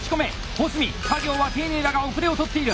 保住作業は丁寧だが後れを取っている。